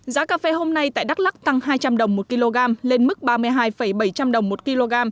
giá cà phê hôm nay tại đắk lắc tăng hai trăm linh đồng một kg lên mức ba mươi hai bảy trăm linh đồng một kg